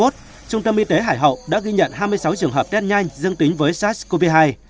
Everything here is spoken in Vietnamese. trung tâm y tế hải hậu đã ghi nhận hai mươi sáu trường hợp test nhanh dương tính với sars cov hai